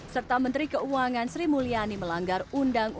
serta menteri keuangan sri mulyani melanggar undang undang